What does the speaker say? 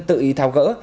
tự ý thao gỡ